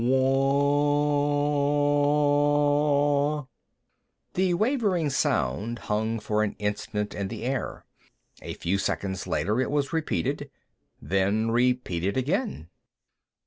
Bwaaa waaa waaanh! The wavering sound hung for an instant in the air. A few seconds later, it was repeated, then repeated again.